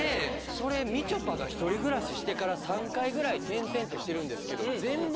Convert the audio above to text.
それみちょぱが１人暮らししてから３回ぐらい転々としてるんですけど。